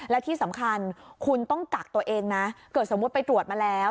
และที่สำคัญคุณต้องกักตัวเองนะเกิดสมมุติไปตรวจมาแล้ว